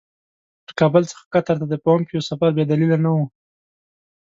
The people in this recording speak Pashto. له کابل څخه قطر ته د پومپیو سفر بې دلیله نه وو.